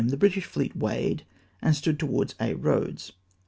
the British fleet weighed, and stood to wards Aix Eoads.